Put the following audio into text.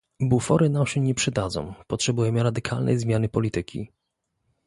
Bufory nam się nie przydadzą, potrzebujemy radykalnej zmiany polityki